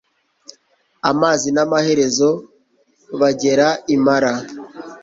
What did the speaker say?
amazi n Amaherezo bagera i Mara